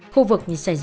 khu vực như xảy ra